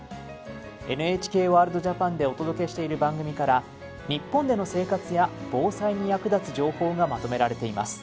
ＮＨＫワールドＪＡＰＡＮでお届けしている番組から日本での生活や防災に役立つ情報がまとめられています。